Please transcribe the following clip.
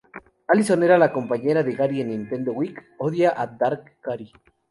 Alison era la compañera de Gary en Nintendo Week, odia a Dark Gary.